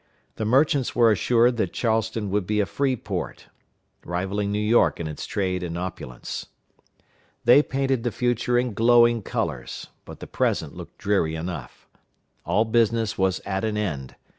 The merchants were assured that Charleston would be a free port, rivaling New York in its trade and opulence. They painted the future in glowing colors, but the present looked dreary enough. All business was at an end.